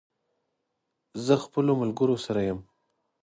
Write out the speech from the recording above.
زه خپلو ملګرو سره یم